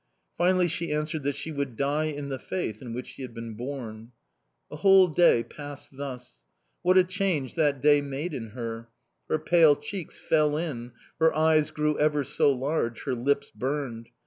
Finally she answered that she would die in the faith in which she had been born. A whole day passed thus. What a change that day made in her! Her pale cheeks fell in, her eyes grew ever so large, her lips burned.